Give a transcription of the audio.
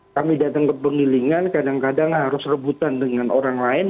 kami datang ke penggilingan kadang kadang harus rebutan dengan orang lain